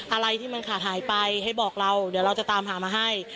อะไรที่มันขาดหายไปให้บอกเราเดี๋ยวเราจะตามหามาให้